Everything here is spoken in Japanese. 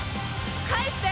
返して！